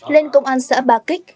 lên công an xã ba kích